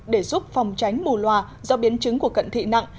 để giúp phòng tránh mù loà do biến chứng của cận thị nặng